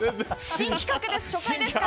新企画です、初回ですから。